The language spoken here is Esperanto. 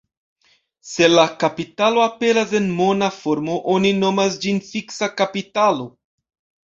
Se la kapitalo aperas en mona formo, oni nomas ĝin fiksa kapitalo.